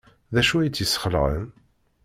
D acu ay tt-yesxelɛen?